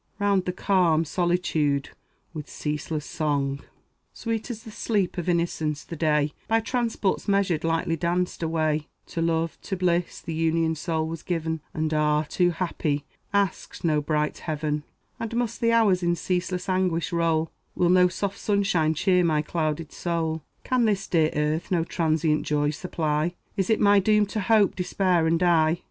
Round the calm solitude with ceaseless song, Sweet as the sleep of innocence the day, By transports measured, lightly danced away; To love, to bliss, the unioned soul was given, And ah, too happy! asked no brighter heaven. And must the hours in ceaseless anguish roll? Will no soft sunshine cheer my clouded soul? Can this dear earth no transient joy supply? Is it my doom to hope, despair, and die?